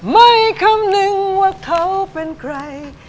ไม่คำนึงว่าเขาเป็นใคร